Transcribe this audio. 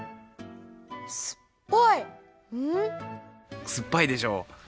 すっぱいでしょ？